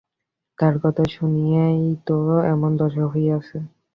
তার কথা শুনিয়াই তোর এমন দশা হইয়াছে।